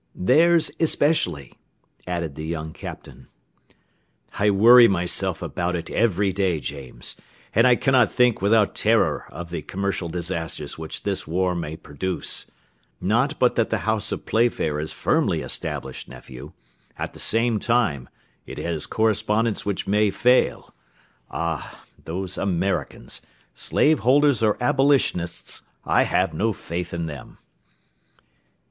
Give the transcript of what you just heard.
"Theirs especially," added the young Captain. "I worry myself about it every day, James, and I cannot think without terror of the commercial disasters which this war may produce; not but that the house of Playfair is firmly established, nephew; at the same time it has correspondents which may fail. Ah! those Americans, slave holders or Abolitionists, I have no faith in them!"